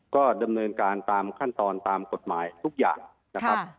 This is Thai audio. ก็ดำเนินการตามขั้นตอนตามกฎหมายทุกอย่างนะครับ